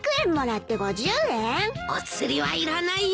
お釣りはいらないよ。